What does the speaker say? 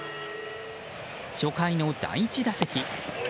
初回の第１打席。